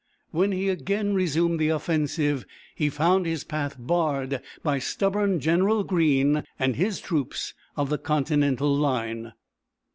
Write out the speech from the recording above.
When he again resumed the offensive, he found his path barred by stubborn General Greene and his troops of the Continental line.